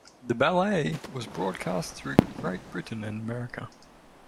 The ballet was broadcast throughout Great Britain and America.